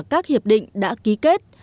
các hiệp định đã ký kết